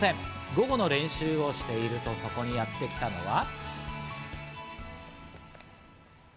午後の練習をしていると、そこにやってきたのは。